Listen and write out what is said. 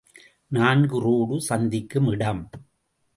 நான்கு ரோடு சந்திக்கும் இடம்.